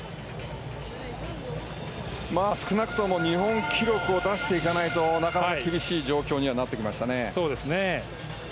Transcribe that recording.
少なくとも日本記録を出していかないとなかなか厳しい状況にはなってきましたね。